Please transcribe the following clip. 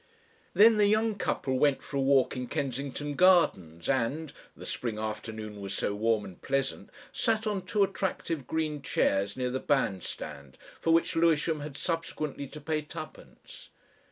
Then the young couple went for a walk in Kensington Gardens, and the spring afternoon was so warm and pleasant sat on two attractive green chairs near the band stand, for which Lewisham had subsequently to pay twopence.